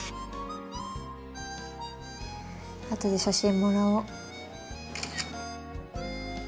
後で写真もらおう。